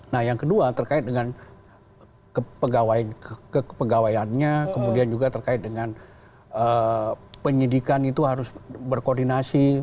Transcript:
nah yang kedua terkait dengan kepegawaiannya kemudian juga terkait dengan penyidikan itu harus berkoordinasi